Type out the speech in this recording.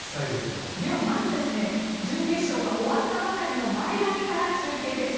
では、まず準決勝が終わったばかりのマイアミから中継です。